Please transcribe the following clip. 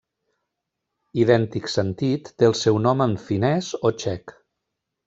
Idèntic sentit té el seu nom en finès o txec.